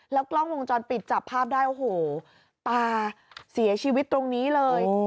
กล้องวงจรปิดจับภาพได้โอ้โหตาเสียชีวิตตรงนี้เลย